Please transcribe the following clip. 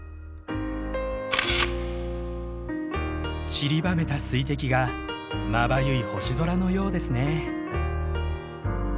ちりばめた水滴がまばゆい星空のようですね。